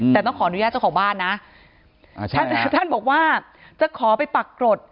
แต่ต้องขออนุญาตเจ้าของบ้านนะท่านบอกว่าจะขอไปปักกรด